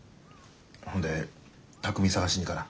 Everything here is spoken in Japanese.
ほんで巧海捜しに行かな。